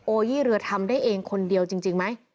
ยี่เรือทำได้เองคนเดียวจริงไหม